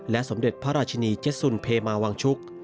สมเด็จพระราชินีเจ็ดสุนเพมาวังชุก